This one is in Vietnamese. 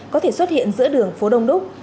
có thể xuất hiện giữa đường phố đông đúc